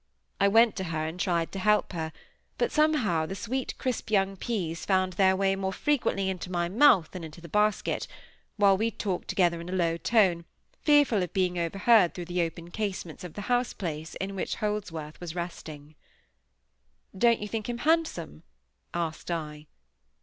I went to her, and tried to help her, but somehow the sweet crisp young peas found their way more frequently into my mouth than into the basket, while we talked together in a low tone, fearful of being overheard through the open casements of the house place in which Holdsworth was resting. "Don't you think him handsome?" asked I.